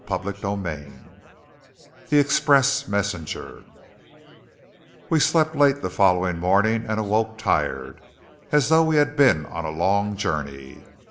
CHAPTER XXXI THE EXPRESS MESSENGER We slept late the following morning, and awoke tired, as though we had been on a long journey.